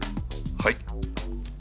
はい。